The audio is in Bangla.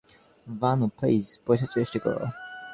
ভানু, প্লিজ বোঝার চেষ্টা করো।